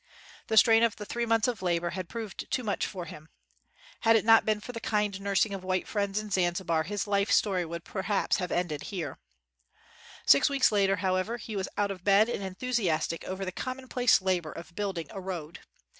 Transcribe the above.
The strain of the three months of labor had proved too much for him. Had it not been for the kind nursing 51 WHITE MAN OF WORK of white friends in Zanzibar his life story would perhaps have ended here. Six weeks later, however, he was out of bed and enthusiastic over the commonplace labor of building a road.